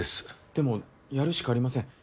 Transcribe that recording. でもやるしかありません。